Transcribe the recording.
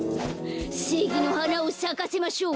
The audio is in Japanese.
せいぎのはなをさかせましょう。